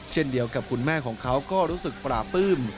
เช่นเดียวกับคุณแม่ของเขาก็รู้สึกปราบปลื้ม